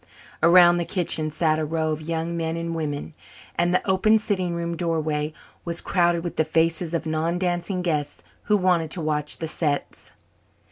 Around the kitchen sat a row of young men and women, and the open sitting room doorway was crowded with the faces of non dancing guests who wanted to watch the sets.